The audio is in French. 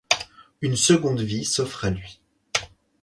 Une seconde vie s'offre à lui.